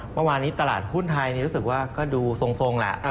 เมื่อวานนี้ตลาดหุ้นไทยนี่รู้สึกว่าก็ดูทรงแหละ